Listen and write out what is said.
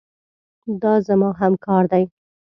دا زما همکار دی.